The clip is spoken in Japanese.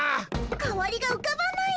代わりがうかばないよ。